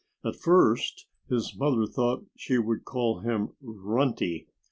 At first his mother thought she would call him "Runty."